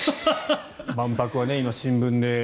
万博は今、新聞で。